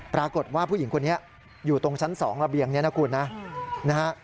ปรากฏว่าผู้หญิงคนนี้อยู่ตรงชั้น๒ระเบียงนี้นะคุณนะนะฮะ